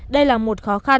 đây là một khó khăn